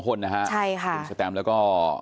คุณแสตม์แล้วก็